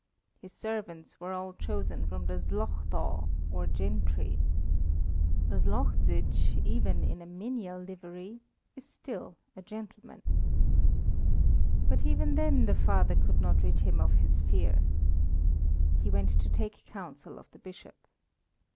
His servants were all chosen from the Szlachta, or gentry. A Szlachzić, even in a menial livery, is still a gentleman. But even then the father could not rid him of his fear. He went to take counsel of the Bishop.